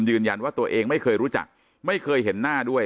ยืนยันว่าตัวเองไม่เคยรู้จักไม่เคยเห็นหน้าด้วย